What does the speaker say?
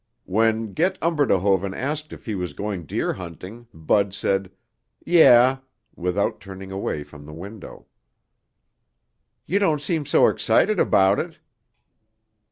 When Get Umberdehoven asked if he was going deer hunting, Bud said "Yeah" without turning away from the window. "You don't seem so excited about it."